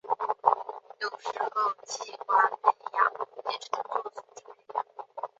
有时候器官培养也称作组织培养。